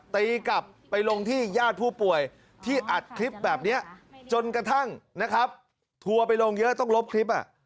ทัวร์ไปลงเยอะต้องลบคลิป